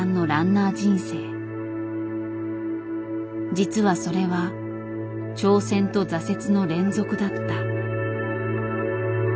実はそれは挑戦と挫折の連続だった。